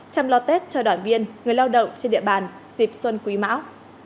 chăm lo tết cho đoàn viên người lao động trên địa bàn dịp xuân quý mão